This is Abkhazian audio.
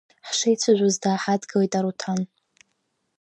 Ҳшеицәажәоз, дааҳадгылеит Аруҭан.